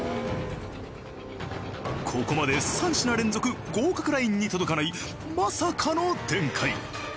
ここまで３品連続合格ラインに届かないまさかの展開。